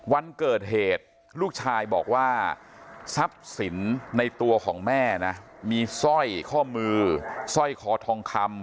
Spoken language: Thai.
วันเกิดเหตุลูกชายบอกว่าทรัพย์สินในตัวของแม่นะมีสร้อยข้อมือสร้อยคอทองคำ